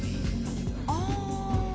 ああ！